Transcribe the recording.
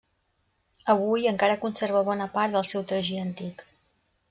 Avui, encara conserva bona part del seu tragí antic.